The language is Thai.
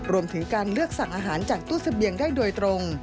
รวมถึงการเลือกสั่งอาหารจากตู้เสบียงได้โดยตรง